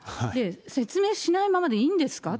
説明しないままでいいんですか。